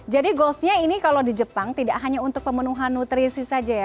jadi goalsnya ini kalau di jepang tidak hanya untuk pemenuhan nutrisi saja ya